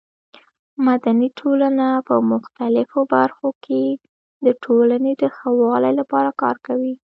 مدني ټولنه په مختلفو برخو کې د ټولنې د ښه والي لپاره کار کوي.